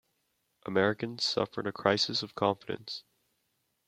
Americans suffered a crisis of confidence.